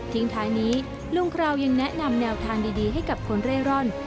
ท้ายนี้ลุงคราวยังแนะนำแนวทางดีให้กับคนเร่ร่อน